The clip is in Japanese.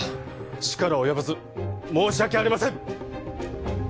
力及ばず申し訳ありません！